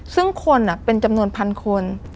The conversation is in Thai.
ซึ่งคนเป็นจำนวนพันคน